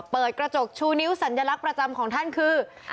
เปิดกระจกชูนิ้วสัญลักษณ์ประจำของท่านคือ